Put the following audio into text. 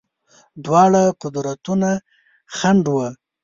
دواړه قدرتونه خنډ وه.